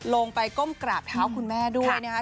ลงไปก้มกราบเท้าคุณแม่ด้วยนะครับ